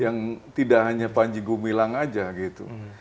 yang tidak hanya panji gumilang aja gitu